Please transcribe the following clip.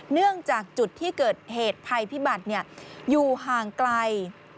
เนื่องจากจุดที่เกิดเหตุภัยพิบัติอยู่ห่างไกล